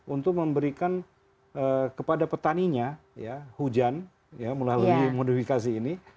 untuk memberikan kepada petaninya hujan melalui modifikasi ini